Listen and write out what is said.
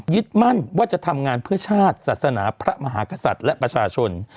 มั่นว่าจะทำงานเพื่อชาติศาสนาพระมหากษัตริย์และประชาชน